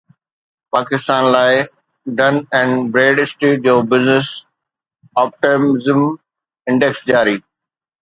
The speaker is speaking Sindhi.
پاڪستان لاءِ ڊن اينڊ بريڊ اسٽريٽ جو بزنس آپٽيمزم انڊيڪس جاري